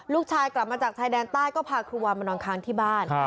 กลับมาจากชายแดนใต้ก็พาครูวามานอนค้างที่บ้าน